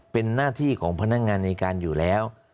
เป็นหน้าที่ของพนักงานในการอยู่แล้ว